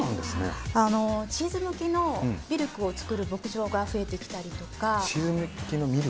チーズ向きのミルクを作る牧場が増えてきたりとか。